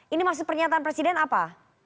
ini maksud pernyataan presiden apa